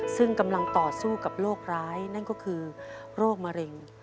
ซึ่งกำลังต่อสู้กับโรคร้ายนั่นก็คือโรคมะเร็ง